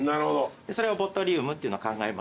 それをボトリウムっていうのを考えまして。